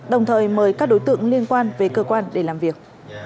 đồng thời mời các đối tượng liên quan về cơ quan để làm việc